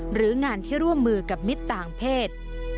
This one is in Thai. หรืองานที่ร่วมมือกับมิตรต่างเพศ